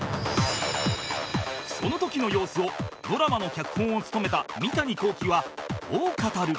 その時の様子をドラマの脚本を務めた三谷幸喜はこう語る